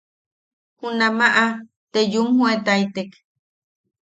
Junamaʼa te yumjoetaitek.